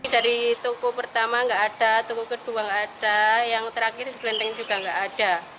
dari toko pertama nggak ada toko kedua nggak ada yang terakhir di blenteng juga nggak ada